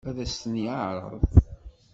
Ad as-ten-yeɛṛeḍ?